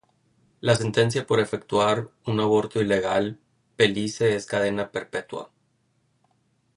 La sentencia por efectuar una aborto ilegal Belice es cadena perpetua.